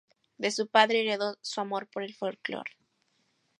De su padre heredó su amor por el folklore.